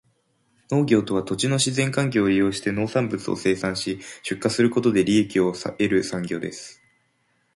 農業とは、土地の自然環境を利用して農産物を生産し、出荷することで利益を得る産業です。